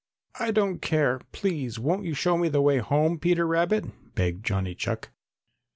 "I don't care. Please won't you show me the way home, Peter Rabbit?" begged Johnny Chuck.